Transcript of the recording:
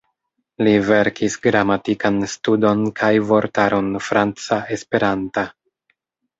Li verkis gramatikan studon kaj vortaron franca-esperanta.